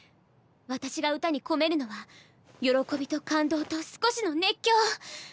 私が歌に込めるのは喜びと感動と少しの熱狂！」。